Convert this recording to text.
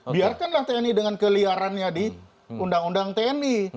biarkanlah tni dengan keliarannya di undang undang tni